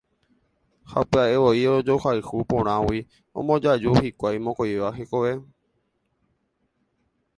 Ha pya'evoi ojohayhu porãgui ombojoaju hikuái mokõivéva hekove.